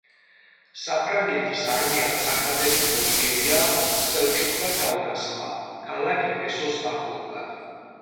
საფრანგეთის არმიამ წარმატებით მოიგერია სელჩუკთა თავდასხმა ქალაქ ეფესოს მახლობლად.